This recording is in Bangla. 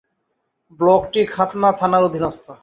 ব্লকটি খাতড়া থানার অধীনস্থ।